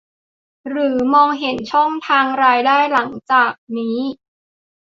หรือมองเห็นช่องทางรายได้หลังจากนี้